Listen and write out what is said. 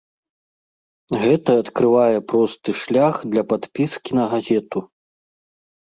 Гэта адкрывае просты шлях для падпіскі на газету.